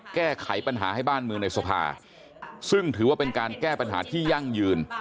แก้ไขปัญหาให้บ้านเมืองในสภาซึ่งถือว่าเป็นการแก้ปัญหาที่ยั่งยืน